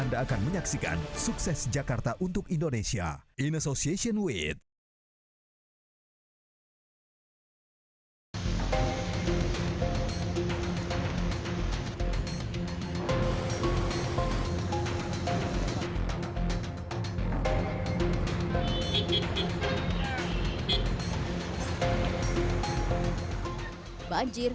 dengan semangat untuk terus menjadi yang terbaik